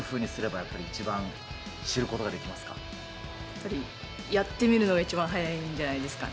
やっぱり、やってみるのが一番早いんじゃないですかね。